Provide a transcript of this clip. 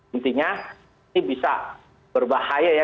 intinya ini bisa berbahaya ya